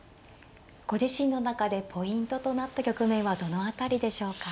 ご自身の中でポイントとなった局面はどの辺りでしょうか。